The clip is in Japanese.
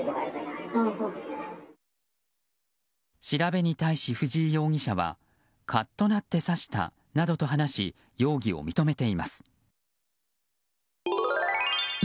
調べに対し、藤井容疑者はカッとなって刺したなどと話し容疑を認めています。